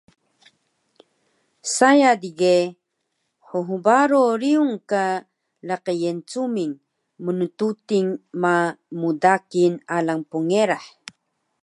saya digeh hbaro riyung ka laqi Yencuming mntuting ma mdakil alang pngerah